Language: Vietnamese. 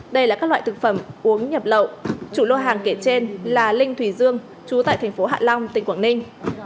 đây là các loại thực phẩm uống nhập lậu chủ lô hàng kể trên là linh thùy dương chú tại thành phố hạ long tỉnh quảng ninh